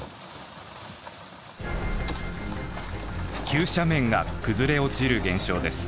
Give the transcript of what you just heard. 急斜面が崩れ落ちる現象です。